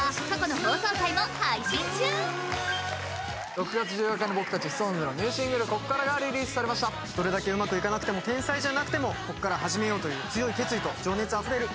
６月１４日にＳｉｘＴＯＮＥＳのニューシーングル「こっから」がリリースされましたどれだけうまくいかなくても天才じゃなくてもこっから始めようという強い決意と情熱あふれる